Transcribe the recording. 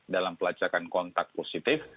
dalam pelacakan kontak positif